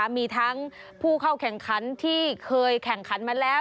มีทั้งผู้เข้าแข่งขันที่เคยแข่งขันมาแล้ว